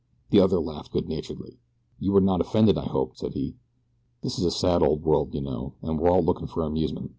The other laughed good naturedly. "You are not offended, I hope," said he. "This is a sad old world, you know, and we're all looking for amusement.